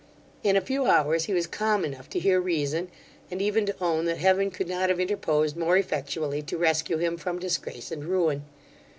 In a few hours, he was calm enough to hear reason, and even to own that Heaven could not have interposed more effectually to rescue him from disgrace and ruin.